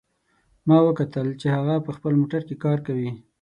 ما وکتل چې هغه په خپل موټر کې کار کوي